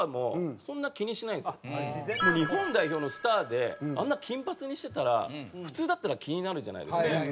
日本代表のスターであんな金髪にしてたら普通だったら気になるじゃないですか。